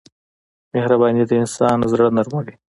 مهرباني د انسان زړه نرموي.